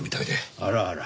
あらあら。